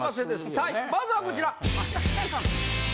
さあまずはこちら！